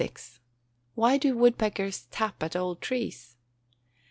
_Why do woodpeckers "tap" at old trees?